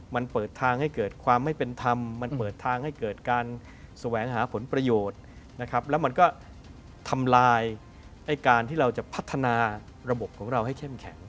มันเปิดทางให้เกิดความไม่เป็นธรรมมันเปิดทางให้เกิดการแสวงหาผลประโยชน์นะครับแล้วมันก็ทำลายไอ้การที่เราจะพัฒนาระบบของเราให้เข้มแข็ง